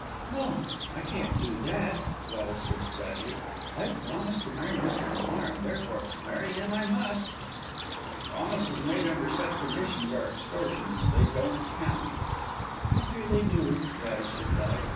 "No! I can't do that!" Gladys said sadly. "I've promised to marry Mr. Hamar, and, therefore, marry him I must." "Promises made under such conditions are mere extortions, they don't count." "I fear they do," Gladys replied.